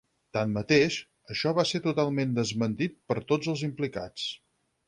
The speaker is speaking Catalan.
Tanmateix, això va ser totalment desmentit per tots els implicats.